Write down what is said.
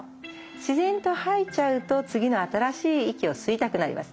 自然と吐いちゃうと次の新しい息を吸いたくなります。